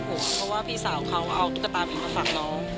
แต่เมื่อวานที่น้องบางคนอาจจะได้คลิปไป